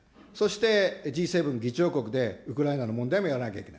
そしてＧ７議長国でウクライナの問題もやらなきゃいけない。